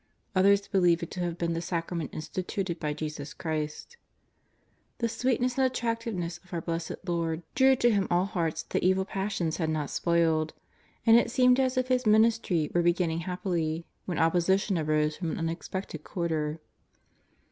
Others believe it to have been the Sacrament instituted by Jesus Christ. The sweetness and attractiveness of our Blessed Lord drew to Him all hearts that evil pas sions had not spoiled, and it seemed as if His Ministry were beginning happily, when opposition arose from an unexpected quarter.